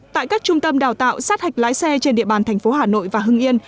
tại các trung tâm đào tạo sát hạch lái xe trên địa bàn thành phố hà nội và hưng yên